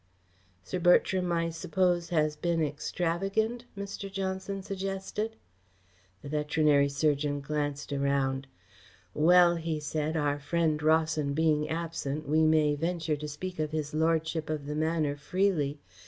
"Sir Bertram, I suppose, has been extravagant?" Mr. Johnson suggested. The veterinary surgeon glanced around. "Well," he said, "our friend Rawson being absent, we may venture to speak of his Lordship of the Manor freely.